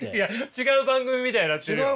違う番組みたいになってる。